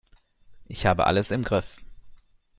Ich habe alles im Griff.